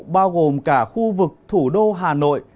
bao gồm cả khu vực thủ đô hà nội